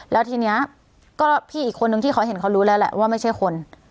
แล้วทีนี้ก็พี่อีกคนนึงที่เขาเห็นเขารู้แล้วแหละว่าไม่ใช่คน